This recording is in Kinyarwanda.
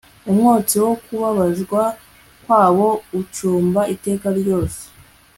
umwotsi wo kubabazwa kwabo ucumba iteka ryose